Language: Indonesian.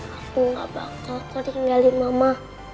aku gak bakal keringali mama